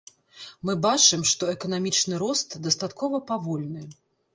Мы бачым, што эканамічны рост дастаткова павольны.